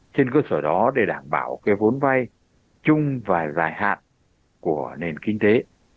trên cơ sở đó để đảm bảo cái vốn vai chung vài dài hạn của nền kinh tế